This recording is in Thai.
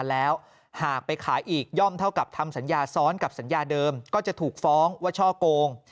แล้วหากไปขายอีกย่อมเท่ากับทำสัญญาซ้อนกับสัญญาเดิมก็จะถูกฟ้องว่าช่อโกง